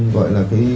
gọi là cái